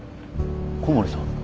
小森さん。